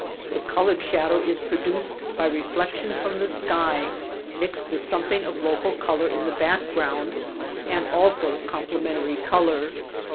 The colored shadow is produced by reflection from LIGHT, AIR, AND COLOR the sky, mixed with something of local color in the background, and also complementary color.